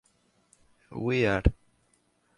We are.